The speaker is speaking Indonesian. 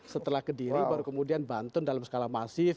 setelah kediri baru kemudian banten dalam skala masif